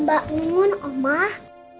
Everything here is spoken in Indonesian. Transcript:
mbak umun omah